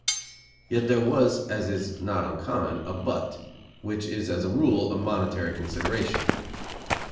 Yet there was, as is not uncommon, a "but," which is as a rule a monetary consideration.